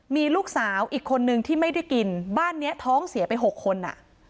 มีลูกสาวอีกคนนึงที่ไม่ได้กินบ้านเนี้ยท้องเสียไป๖คนอ่ะ